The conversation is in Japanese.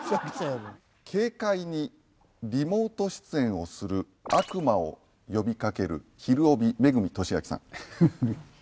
軽快にリモート出演をする悪魔を呼びかける『ひるおび』恵俊彰さん。